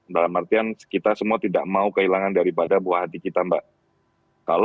dalam artian kita semua tidak mau kehilangan daripada buah hati kita mbak